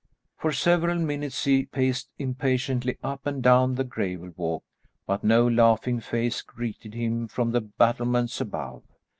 For several minutes he paced impatiently up and down the gravel walk, but no laughing face greeted him from the battlements above.